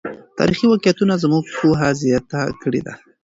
تاریخي واقعیتونه زموږ پوهه زیاته کړې ده.